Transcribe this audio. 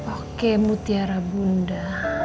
oke mutiara bunda